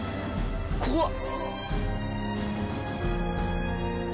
怖っ！